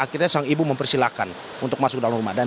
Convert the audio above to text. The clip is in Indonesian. akhirnya sang ibu mempersilahkan untuk masuk dalam ramadan